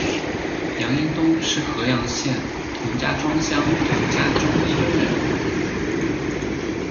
杨荫东是合阳县同家庄乡同家庄村人。